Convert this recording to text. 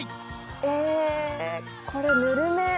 えぇこれぬるめ。